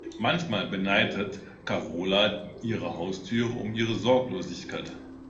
Manchmal beneidet Karola ihre Haustiere um ihre Sorglosigkeit.